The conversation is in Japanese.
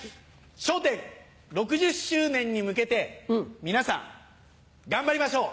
『笑点』６０周年に向けて皆さん頑張りましょう！